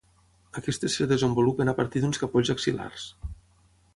Aquestes es desenvolupen a partir d'uns capolls axil·lars.